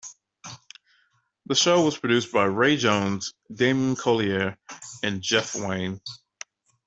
The show was produced by Ray Jones, Damian Collier and Jeff Wayne.